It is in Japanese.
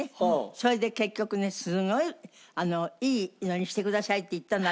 それで結局ね「すごいいいのにしてください」って言ったの私。